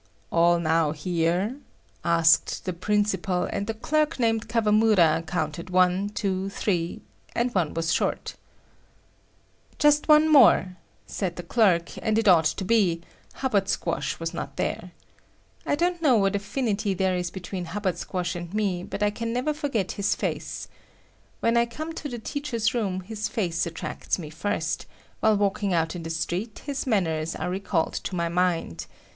"All now here?" asked the principal, and the clerk named Kawamura counted one, two, three and one was short. "Just one more," said the clerk, and it ought to be; Hubbard Squash was not there. I don't know what affinity there is between Hubbard Squash and me, but I can never forget his face. When I come to the teachers' room, his face attracts me first; while walking out in the street, his manners are recalled to my mind.